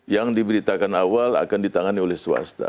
yang diberitakan awal akan ditangani oleh swasta